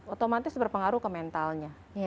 otomatis berpengaruh ke mentalnya